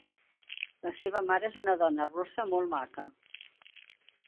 La seva mare és una dona rossa molt maca.